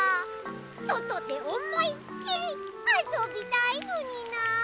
そとでおもいっきりあそびたいのになあ。